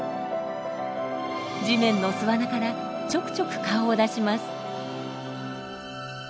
地面の巣穴からちょくちょく顔を出します。